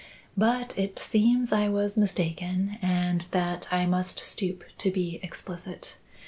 But it seems I was mistaken, and that I must stoop to be explicit.